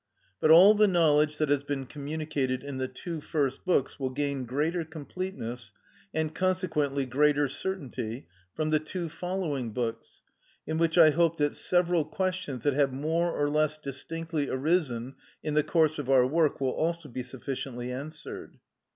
But all the knowledge that has been communicated in the two first books will gain greater completeness, and consequently greater certainty, from the two following books, in which I hope that several questions that have more or less distinctly arisen in the course of our work will also be sufficiently answered.